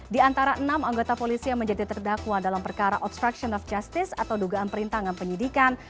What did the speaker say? di antara enam anggota polisi yang menjadi terdakwa dalam perkara obstruction of justice atau dugaan perintangan penyidikan